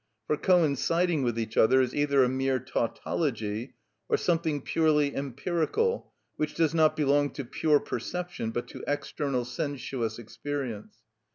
For "coinciding with each other" is either a mere tautology or something purely empirical which does not belong to pure perception but to external sensuous experience.